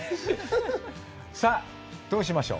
さあ、どうしましょう？